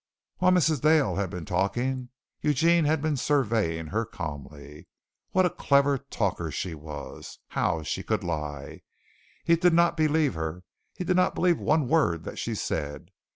While Mrs. Dale had been talking, Eugene had been surveying her calmly. What a clever talker she was! How she could lie! He did not believe her. He did not believe one word that she said.